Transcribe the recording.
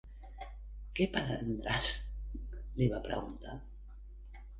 "Què prendràs?" li va preguntar.